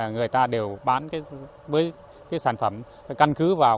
người ta đều bán cái sản phẩm căn cứ vào cái cỡ tôm cũng như là cái chất lượng tôm